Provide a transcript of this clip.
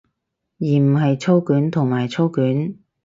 而唔係操卷同埋操卷